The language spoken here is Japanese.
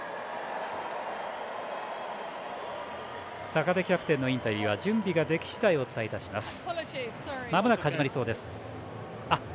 坂手キャプテンのインタビューは準備ができ次第お伝えします。